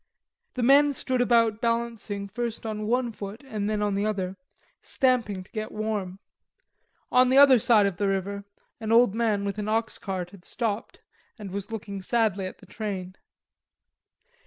The men stood about balancing first on one foot and then on the other, stamping to get warm. On the other side of the river an old man with an oxcart had stopped and was looking sadly at the train.